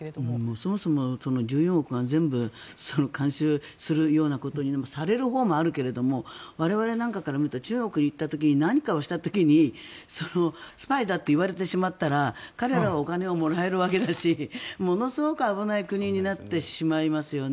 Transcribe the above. そもそも１４億が全部、監視するようなことされるほうもあるけれども我々なんかから見たら中国に行った時に何かをした時にスパイだと言われてしまったら彼らはお金をもらえるわけだしものすごい危ない国になってしまいますよね。